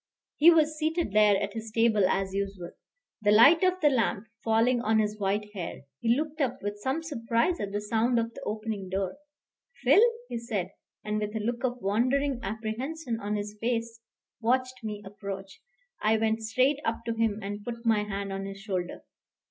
He was seated there at his table as usual, the light of the lamp falling on his white hair; he looked up with some surprise at the sound of the opening door. "Phil," he said, and with a look of wondering apprehension on his face, watched my approach. I went straight up to him and put my hand on his shoulder.